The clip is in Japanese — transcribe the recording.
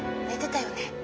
寝てたよね？